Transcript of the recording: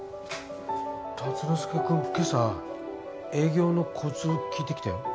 竜之介君今朝営業のコツを聞いてきたよ。